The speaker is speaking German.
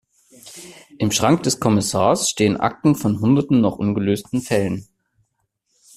Im Schrank des Kommissars stehen Akten von hunderten noch ungelösten Fällen.